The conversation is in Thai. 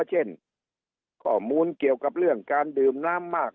เช่นข้อมูลเกี่ยวกับเรื่องการดื่มน้ำมาก